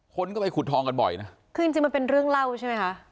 คนก็ไปขุดทองกันบ่อยนะคือจริงจริงมันเป็นเรื่องเล่าใช่ไหมคะ